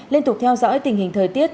liên tục theo dõi tình hình thời tiết